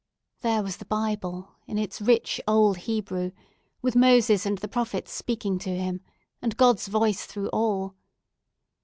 There was the Bible, in its rich old Hebrew, with Moses and the Prophets speaking to him, and God's voice through all.